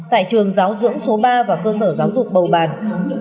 tại trường giáo dưỡng số ba và cơ sở giáo dục bầu bàn